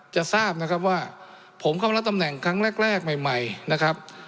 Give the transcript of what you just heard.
จะทราบนะครับว่าผมเข้ามารับตำแหน่งครั้งแรกใหม่นะครับ